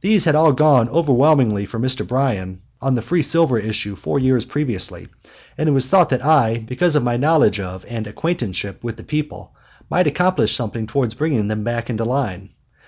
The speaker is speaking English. These had all gone overwhelmingly for Mr. Bryan on the free silver issue four years previously, and it was thought that I, because of my knowledge of and acquaintanceship with the people, might accomplish something towards bringing them back into line.